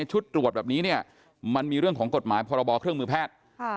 ชุดตรวจแบบนี้เนี่ยมันมีเรื่องของกฎหมายพรบเครื่องมือแพทย์